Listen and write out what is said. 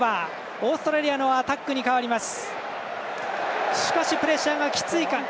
オーストラリアのアタックに変わります。